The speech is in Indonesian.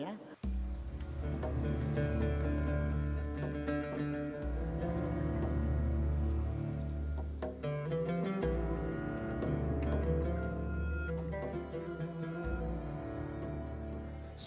nah kalau kita lihat di sini kita bisa lihat